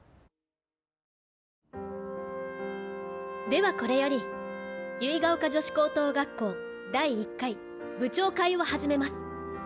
ではこれより結ヶ丘女子高等学校第一回部長会を始めます。